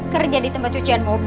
kerja di tempat cucian mobil